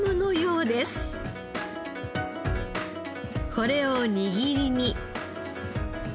これを握りに。